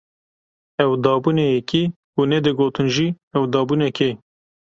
Ew dabûne yekî û nedigotin jî ew dabûne kê.